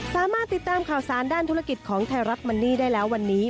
สามารถติดตามข่าวสารด้านธุรกิจของไทยรัฐมันนี่ได้แล้ววันนี้